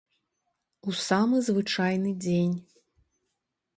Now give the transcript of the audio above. У самы звычайны дзень.